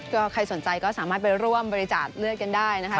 ก็ใครสนใจก็สามารถไปร่วมบริจาคเลือดกันได้นะคะ